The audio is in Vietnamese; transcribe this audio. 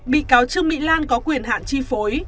bị cáo trương mỹ lan có quyền hạn chi phối